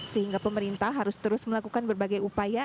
sehingga pemerintah harus terus melakukan berbagai upaya